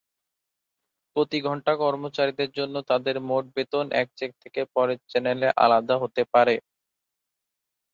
প্রতি ঘণ্টা কর্মচারীদের জন্য, তাদের মোট বেতন এক চেক থেকে পরের চ্যানেলে আলাদা হতে পারে।